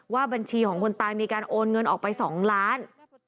บัญชีของคนตายมีการโอนเงินออกไป๒ล้าน